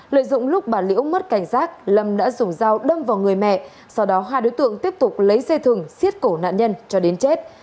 lợi dụng lúc bà liễu mất cảnh giác lâm đã dùng dao đâm vào người mẹ sau đó hai đối tượng tiếp tục lấy xe thùng xiết cổ nạn nhân cho đến chết